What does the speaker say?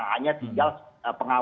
hanya tinggal pengawasan dan pengusaha